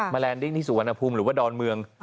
แลนดิ้งที่สุวรรณภูมิหรือว่าดอนเมือง